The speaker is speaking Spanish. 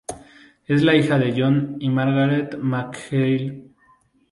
Es hija de John y Margarita McHale.